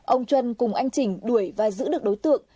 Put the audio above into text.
ông trân cùng anh chỉnh đuổi và giữ được đối tượng